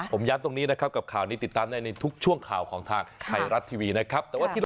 ผมย้ำตรงนี้นะครับกับข่าวนี้ติดตามได้ในทุกช่วงข่าวของทางไทยรัฐทีวีนะครับ